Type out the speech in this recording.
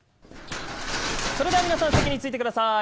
それでは皆さん席についてください。